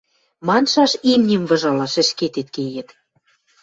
Маншаш, имним выжалаш ӹшкетет кеет.